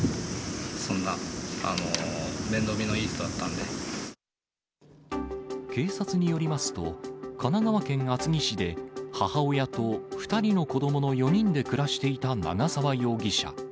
そんな、警察によりますと、神奈川県厚木市で、母親と２人の子どもの４人で暮らしていた長沢容疑者。